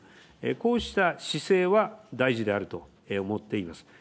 こうした姿勢は大事であると思っています。